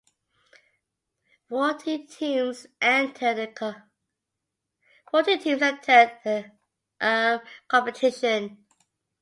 Fourteen teams entered the competition.